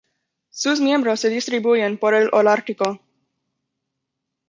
Sus miembros se distribuyen por el Holártico.